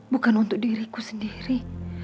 bukan untuk diriku sendiri